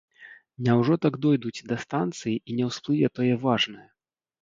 Няўжо так дойдуць да станцыі і не ўсплыве тое важнае!